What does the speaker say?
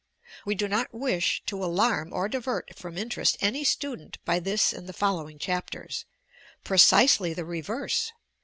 We do not wish to alarm or divert from interest any student by this and the following chapters. Precisely the reverse.